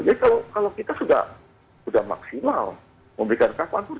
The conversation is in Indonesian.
jadi kalau kita sudah maksimal memberikan kapanpun